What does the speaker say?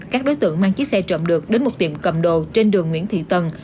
các đối tượng mang chiếc xe trộm được đến một tiệm cầm đồ trên đường nguyễn thị tần